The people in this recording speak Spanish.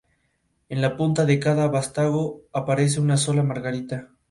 En la punta de cada vástago aparece una sola margarita.